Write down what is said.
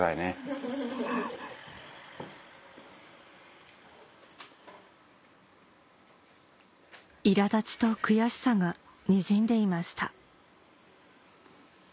・フフフ・いら立ちと悔しさがにじんでいました